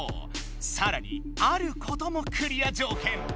さらにあることもクリアじょうけん。